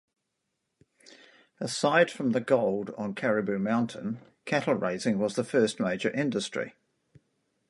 Aside from the gold on Caribou mountain, cattle raising was the first major industry.